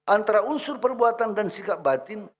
antara unsur perbuatan dan sikap batin